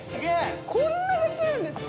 こんなできるんですか！？